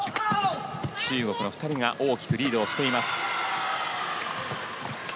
中国の２人が大きくリードをしています。